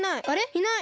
いない。